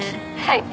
はい！